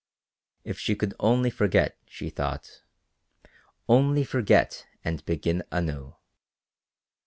If she could only forget, she thought, only forget and begin anew.